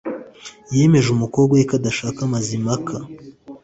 Yemeje umukobwa we kudashaka Mazimpaka